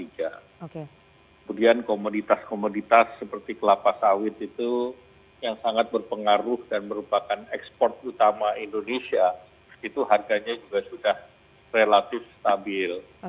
kemudian komoditas komoditas seperti kelapa sawit itu yang sangat berpengaruh dan merupakan ekspor utama indonesia itu harganya juga sudah relatif stabil